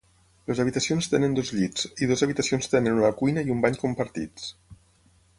Les habitacions tenen dos llits, i dues habitacions tenen una cuina i un bany compartits.